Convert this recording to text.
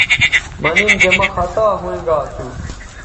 مہ نن چہ مہ خطا ھوینگا اسو